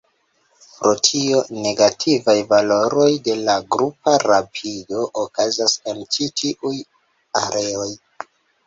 Pro tio, negativaj valoroj de la grupa rapido okazas en ĉi tiuj areoj.